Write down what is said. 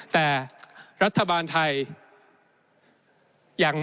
แต่รัฐบาลไทยยัง